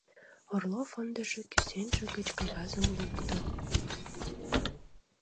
Орлов ындыже кӱсенже гыч кагазым лукто.